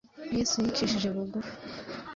Yesu yicishije bugufi gute?